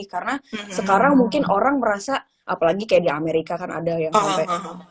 karena sekarang mungkin orang merasa apalagi kayak di amerika kan ada yang sampai